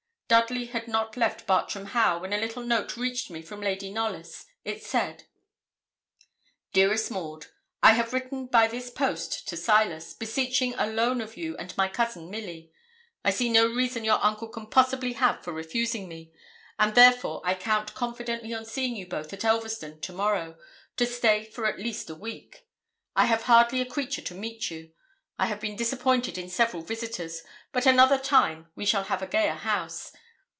Dudley had not left Bartram Haugh when a little note reached me from Lady Knollys. It said 'DEAREST MAUD, I have written by this post to Silas, beseeching a loan of you and my Cousin Milly. I see no reason your uncle can possibly have for refusing me; and, therefore, I count confidently on seeing you both at Elverston to morrow, to stay for at least a week. I have hardly a creature to meet you. I have been disappointed in several visitors; but another time we shall have a gayer house.